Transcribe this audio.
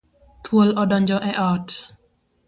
Thuol odonjo e ot.